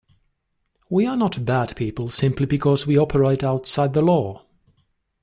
We are not bad people simply because we operate outside of the law.